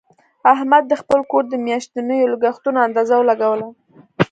احمد د خپل کور د میاشتنیو لګښتونو اندازه ولګوله.